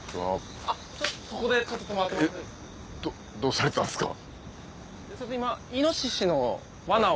えっどうされたんですか？